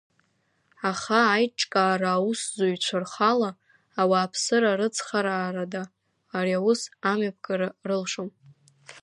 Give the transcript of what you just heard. Аха аиҿкаара аусзуҩцәа рхала, ауааԥсыра рыцхыраарада ари аус амҩаԥгара рылшом.